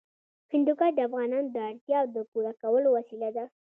هندوکش د افغانانو د اړتیاوو د پوره کولو وسیله ده.